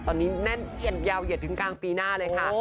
ตอนนี้แน่นเอียดยาวเหยียดถึงกลางปีหน้าเลยค่ะ